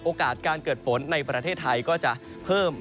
โอกาสการเกิดฝนในประเทศไทยก็จะเพิ่มมากขึ้นด้วยนะครับ